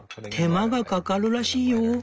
手間がかかるらしいよ。